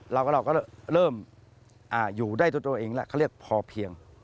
เราก็เริ่มอยู่ได้ด้วยตัวเองแหละเขาเรียกพอเพียง